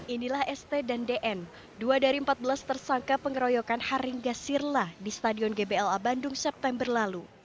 inilah st dan dm dua dari empat belas tersangka pengeroyokan haringga sirla di stadion gbla bandung september lalu